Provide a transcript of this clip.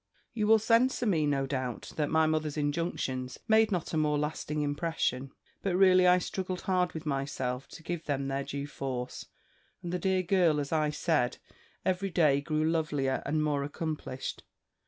"You will censure me, no doubt, that my mother's injunctions made not a more lasting impression. But really I struggled hard with myself to give them their due force: and the dear girl, as I said, every day grew lovelier, and more accomplished.